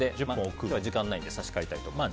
今日は時間がないので差し替えます。